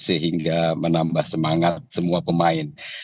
sehingga menambah semangat semua pemain